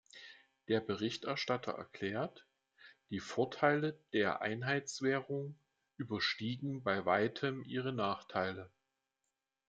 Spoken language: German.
Der Berichterstatter erklärt, die Vorteile der Einheitswährung überstiegen bei Weitem ihre Nachteile.